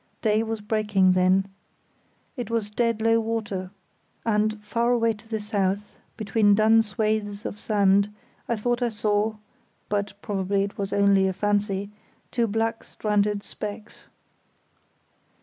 Day was breaking then. It was dead low water, and, far away to the south, between dun swathes of sand, I thought I saw—but probably it was only a fancy—two black stranded specks.